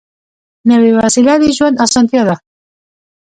نوې وسیله د ژوند اسانتیا ده